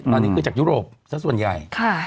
ตอนนี้คือจากยุโรปสักส่วนใหญ่